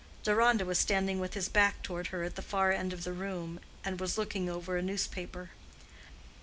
Deronda was standing with his back toward her at the far end of the room, and was looking over a newspaper.